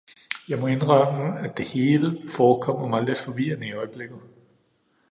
Jeg må indrømme, at det hele forekommer mig lidt forvirrende i øjeblikket.